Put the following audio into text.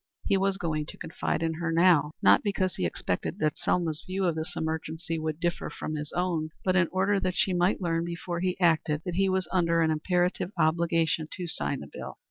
He was going to confide in her now not because he expected that Selma's view of this emergency would differ from his own, but in order that she might learn before he acted that he was under an imperative obligation to sign the bill.